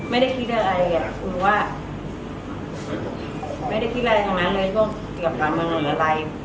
ไม่ได้คิดอะไรของนั้นเลยเพราะเกี่ยวกับการเมืองอะไร